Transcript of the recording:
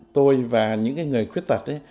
tôi và những người khuyết tật